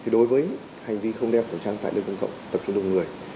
đối với hành vi không đeo khẩu trang tại nơi công cộng tập trung đông người